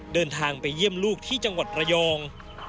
เดินทางไปเยี่ยมลูกที่จังหวัดระยอง